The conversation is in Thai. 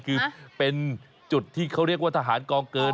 คือเป็นจุดที่เขาเรียกว่าทหารกองเกิน